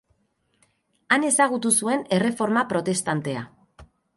Han ezagutu zuen Erreforma Protestantea.